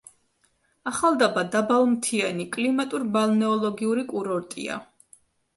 ახალდაბა დაბალმთიანი კლიმატურ-ბალნეოლოგიური კურორტია.